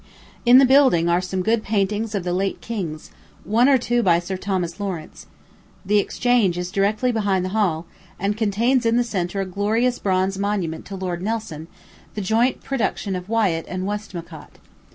In the building are some good paintings of the late kings; one or two by Sir Thomas Lawrence. The Exchange is directly behind the hall, and contains in the centre a glorious bronze monument to Lord Nelson, the joint production of Wyat and Westmacott.